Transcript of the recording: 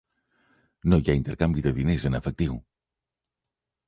No hi ha intercanvi de diners en efectiu.